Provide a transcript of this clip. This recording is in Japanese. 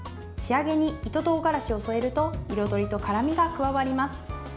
仕上げに糸とうがらしを添えると彩りと辛みが加わります。